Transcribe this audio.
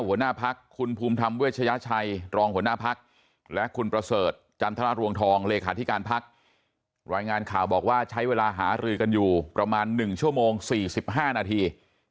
หัวหน้าพักคุณภูมิธรรมเวชยชัยรองหัวหน้าพักและคุณประเสริฐจันทรรวงทองเลขาธิการพักรายงานข่าวบอกว่าใช้เวลาหารือกันอยู่ประมาณ๑ชั่วโมง๔๕นาที